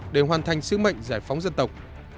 để hoàn thành sức mạnh giải phóng dân tộc